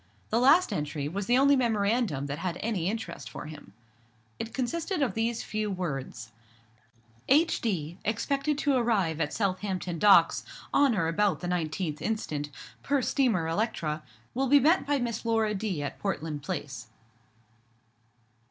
The last entry was the only memorandum that had any interest for him. It consisted of these few words— "H.D., expected to arrive at Southampton Docks on or about the 19th inst., per steamer Electra; _will be met by Miss Laura D. at Portland Place."